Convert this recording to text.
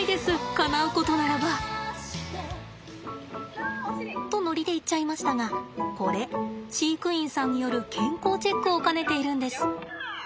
かなうことならば。とノリで言っちゃいましたがこれ飼育員さんによる健康チェックを兼ねているんです。